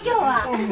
うん。